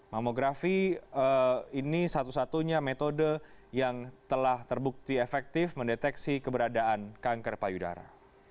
mamografi ini satu satunya metode yang telah terbukti efektif mendeteksi keberadaan kanker payudara